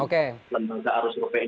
sedikit mas soal penyelenggaraan survei kami